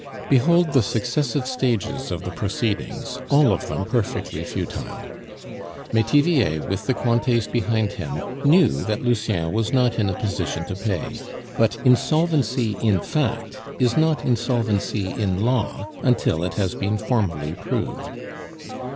Behold the successive stages of the proceedings, all of them perfectly futile. Metivier, with the Cointets behind him, knew that Lucien was not in a position to pay, but insolvency in fact is not insolvency in law until it has been formally proved.